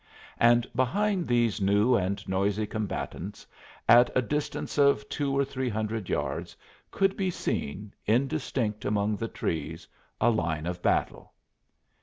And behind these new and noisy combatants, at a distance of two or three hundred yards, could be seen, indistinct among the trees a line of battle!